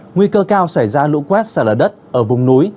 nguy cơ cao xảy ra lũ quét xảy ra đất ở vùng núi